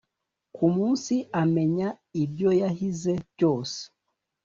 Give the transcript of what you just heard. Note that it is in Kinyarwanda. ku munsi amenya ibyo yahize byose